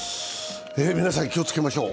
皆さん気をつけましょう。